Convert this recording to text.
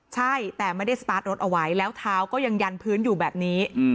ใช่แต่ไม่ได้สตาร์ทรถเอาไว้แล้วเท้าก็ยังยันพื้นอยู่แบบนี้